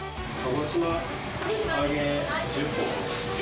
鹿児島揚げ１０本。